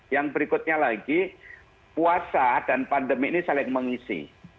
yang berikutnya lagi puasa dan pandemi ini saling mengisi